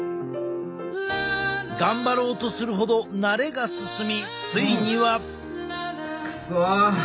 頑張ろうとするほどなれが進みついには。